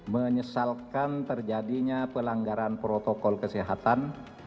menyesalkan terjadinya pelanggaran protokol kesehatan